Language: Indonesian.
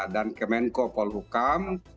dan kemenko polhukam